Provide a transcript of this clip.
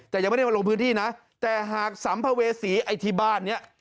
แต่ยังไม่ได้มาลงพื้นที่นะแต่หากสัมภเวษีไอ้ที่บ้านเนี่ย